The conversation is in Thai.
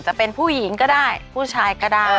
จะเป็นผู้หญิงก็ได้ผู้ชายก็ได้